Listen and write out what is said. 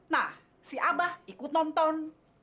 nah si abah ikut nonton